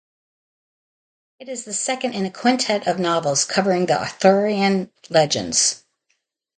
It is the second in a quintet of novels covering the Arthurian Legends.